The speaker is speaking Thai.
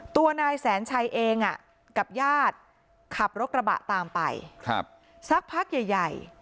ตัวนายแสนชัยเองกับญาติขับรถกระบะตามไปสักพักใหญ่ใหญ่